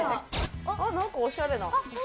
何かおしゃれな。